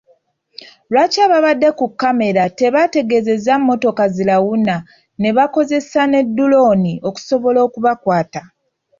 Lwaki abaabadde ku kkamera tebaategeezezza mmotoka zirawuna ne bakozesa ne ddulooni okusobola okubakwata.